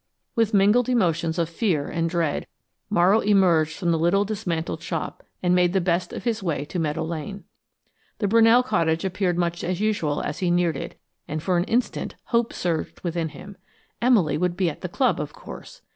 With mingled emotions of fear and dread, Morrow emerged from the little dismantled shop and made the best of his way to Meadow Lane. The Brunell cottage appeared much as usual as he neared it, and for an instant hope surged up within him. Emily would be at the club, of course.